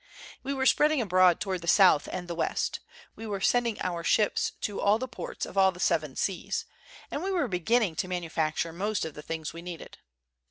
We were spreading abroad toward the South and the West; we were sending our ships to all the ports of all the seven seas; and we were beginning to manufacture most of the things we needed.